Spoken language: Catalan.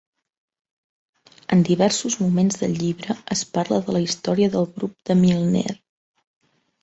En diversos moments del llibre es parla de la història del grup de Milner.